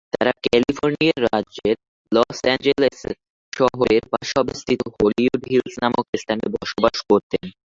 তারা ক্যালিফোর্নিয়া রাজ্যের Los Angeles শহরের পাশে অবস্থিত হলিউড হিলস নামক স্থানে বসবাস করতেন।